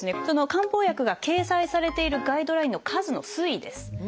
漢方薬が掲載されているガイドラインの数の推移です。